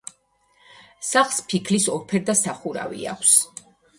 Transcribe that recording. სახლს ფიქლის ორფერდა სახურავი აქვს.